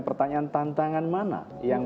pertanyaan tantangan mana yang